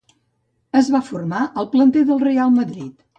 Es va formar al planter del Reial Madrid.